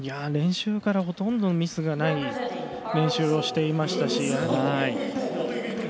練習からほとんどミスがない練習をしていましたし。